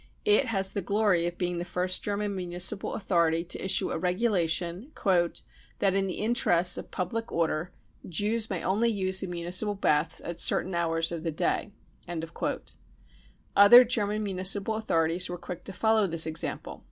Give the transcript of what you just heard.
It has the glory of being the first German municipal authority to issue a regulation 274 brown book of the hitler terror " that in the interests of public order Jews may only use the municipal baths at certain hours of the day. 55 Other German municipal authorities were quick to follow this example.